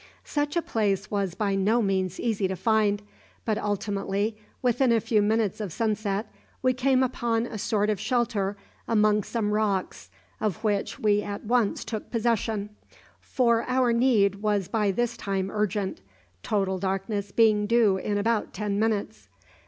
"Such a place was by no means easy to find, but ultimately, within a few minutes of sunset, we came upon a sort of shelter among some rocks, of which we at once took possession for our need was by this time urgent, total darkness being due in about ten minutes.